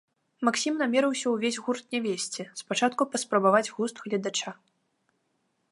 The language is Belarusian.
Максім намерыўся ўвесь гурт не весці, спачатку паспрабаваць густ гледача.